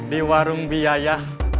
di warung biaya